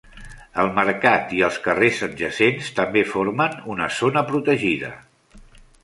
El mercat i els carrers adjacents també formen una zona protegida.